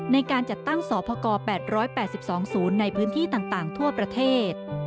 ในการจัดตั้งสพก๘๘๒ศูนย์ในพื้นที่ต่างทั่วประเทศ